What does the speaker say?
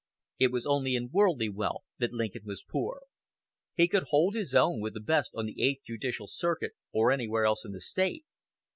It was only in worldly wealth that Lincoln was poor. He could hold his own with the best on the eighth judicial circuit, or anywhere else in the State.